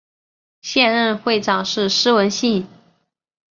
现任会长是施文信。